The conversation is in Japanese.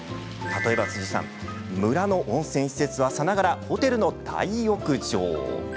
例えば、村の温泉施設はさながら、ホテルの大浴場。